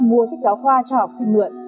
mua sách giáo khoa cho học sinh mượn